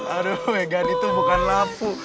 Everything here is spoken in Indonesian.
aduh megan itu bukan lampu